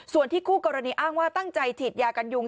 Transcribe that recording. ส่วนที่คู่กรณีอ้างว่าตั้งใจฉีดยากันยุง